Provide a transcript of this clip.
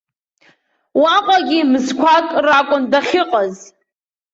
Уаҟагьы мзқәак ракәын дахьыҟаз.